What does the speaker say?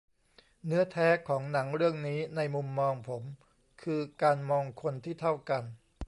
เนื้อแท้ของหนังเรื่องนี้ในมุมมองผมคือการมองคนที่เท่ากัน